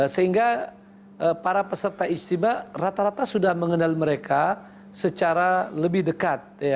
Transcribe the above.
sehingga para peserta istimewa rata rata sudah mengenal mereka secara lebih dekat